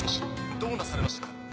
どうなされましたか？